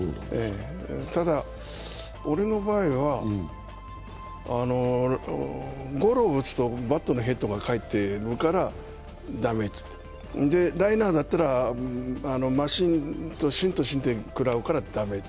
ただ、俺の場合は、ゴロを打つとバットのヘッドが返ってるから駄目、ライナーだったら芯と芯で食らうから駄目だと。